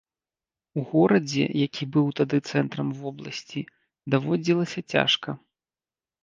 У горадзе, які быў тады цэнтрам вобласці, даводзілася цяжка.